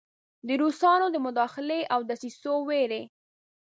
د روسانو د مداخلې او دسیسو ویرې.